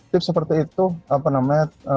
tips seperti itu apa namanya